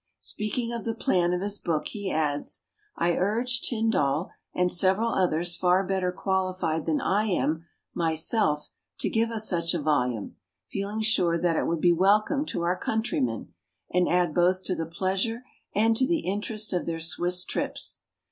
Speaking of the plan of his book, he adds: "I urged Tyndall and several others far better qualified than I am myself to give us such a volume, feeling sure that it would be welcome to our coun trymen, and add both to the pleasure and to the interest of their Swiss trips.